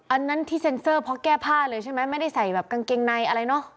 อันนั้นที่เซ็นเซอร์เพราะแก้ผ้าเลยใช่ไหมไม่ได้ใส่แบบกางเกงในอะไรเนอะ